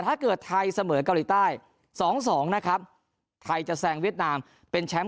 ถ้าเกิดไทยเสมอเกาหลีใต้๒๒นะครับไทยจะแซงเวียดนามเป็นแชมป์